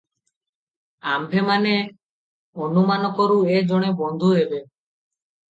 ଆମ୍ଭେମାନେ ଅନୁମାନ କରୁଁ ଏ ଜଣେ ବନ୍ଧୁ ହେବେ ।